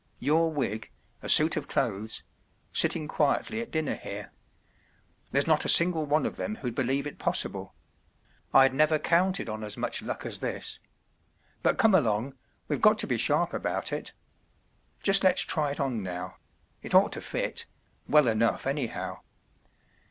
“ Your wig—a suit of clothes— sitting quietly at dinner here. There’s not a single one of them who’d believe it possible. I’d never counted on as much luck as this. But come along—we’ve got to be sharp about it. Just let’s try it on now ; it ought to fit— well enough, anyhow.